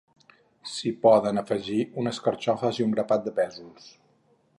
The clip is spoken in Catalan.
s'hi poden afegir unes carxofes i un grapat de pèsols